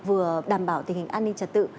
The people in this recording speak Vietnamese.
vừa đảm bảo tình hình an ninh trả tự